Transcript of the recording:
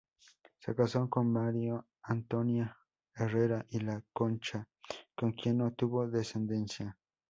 Se casó con María Antonio Herrera y la Concha, con quien no tuvo descendencia.